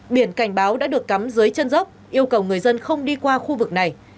biển cảnh báo đã được cắm dưới chân dốc yêu cầu người dân không đi qua khu vực này